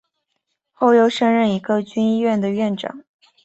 之后升任一个军医院的院长。